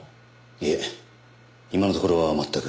いえ今のところは全く。